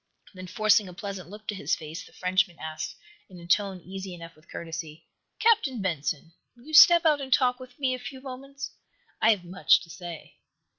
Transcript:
Then, forcing a pleasant look to his face, the Frenchman asked, in a tone easy enough with courtesy: "Captain Benson, will you step out and talk with me a few moments? I have much to say."